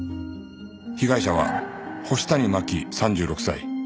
被害者は星谷真輝３６歳。